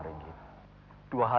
di situ ada kerja